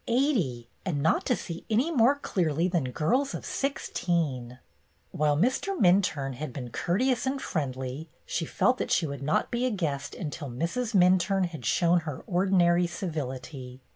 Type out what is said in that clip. Eighty, and not to see any more clearly than girls of sixteen ! While Mr. Minturne had been courteous and friendly, she felt that she would not be a guest until Mrs. Minturne had shown her ordinary civility.